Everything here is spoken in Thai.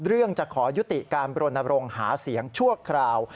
เรื่องจะขอยุติการบรณบรงหาเสียงชั่วคราว